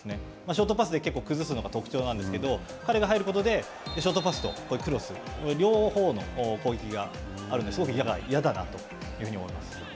ショートパスで結構崩すのが特徴なんですけど、彼が入ることでショートパスとクロス、両方の攻撃があるんで、すごく嫌だなというふうに思います。